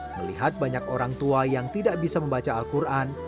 melihat banyak orang tua yang tidak bisa membaca al quran